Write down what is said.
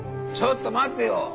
ちょっと待ってよ。